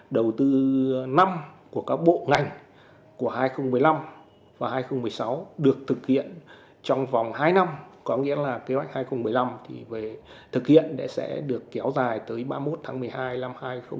đầu tư năm của các bộ ngành của hai nghìn một mươi năm và hai nghìn một mươi sáu được thực hiện trong vòng hai năm có nghĩa là kế hoạch hai nghìn một mươi năm thì về thực hiện sẽ được kéo dài tới ba mươi một tháng một mươi hai năm hai nghìn một mươi chín